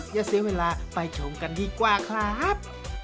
อย่าเสียเวลาไปชมกันดีกว่าครับ